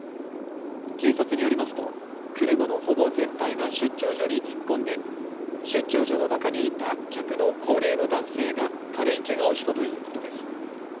警察によりますと車のほぼ全体が出張所に突っ込んで出張所の中にいた客の高齢の男性が軽いけがをしたということです。